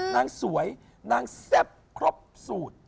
นางสวยนางแซ่บครบสูตร